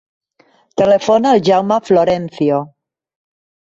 Telefona al Jaume Florencio.